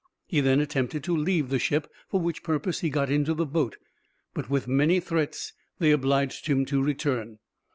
He then attempted to leave the ship, for which purpose he got into the boat; but with many threats they obliged him to return.